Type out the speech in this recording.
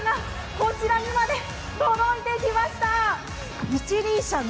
勢いある風がこちらにまで届いてきました。